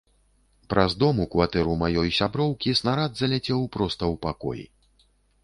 Праз дом у кватэру маёй сяброўкі снарад заляцеў проста ў пакой.